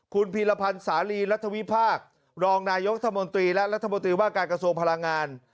คุณพีรพันธ์สาลีรัฐวิพากษ์รองนายกรัฐมนตรีและรัฐมนตรีว่าการกระทรวงพลังงาน